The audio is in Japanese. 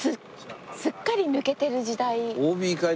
すっかり抜けてる時代。